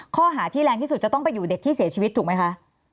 ข้อหาที่แรงที่สุดจะต้องไปอยู่เด็กที่เสียชีวิตถูกไหมคะ